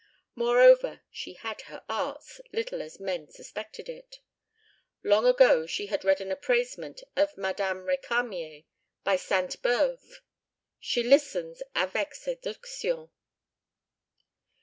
Moreover, she had her arts, little as men suspected it. Long ago she had read an appraisement of Madame Récamier by Sainte Beuve: "She listens avec séduction."